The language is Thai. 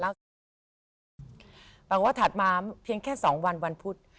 แล้วถัดมาเพียงแค่๒วันวันพุธ